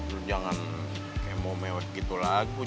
lo jangan mau mewet gitu lagi kok